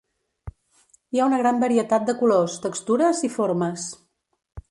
Hi ha una gran varietat de colors, textures i formes.